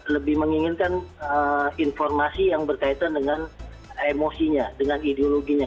lebih menginginkan informasi yang berkaitan dengan emosinya dengan ideologinya